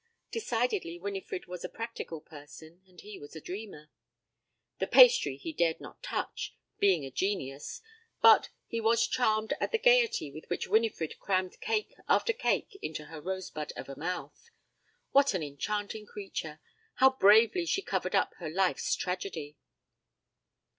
Decidedly Winifred was a practical person and he was a dreamer. The pastry he dared not touch being a genius but he was charmed at the gaiety with which Winifred crammed cake after cake into her rosebud of a mouth. What an enchanting creature! how bravely she covered up her life's tragedy!